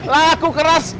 yah para gw